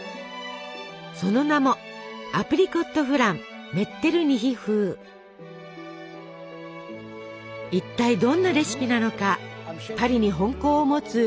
その名もいったいどんなレシピなのかパリに本校を持つ料理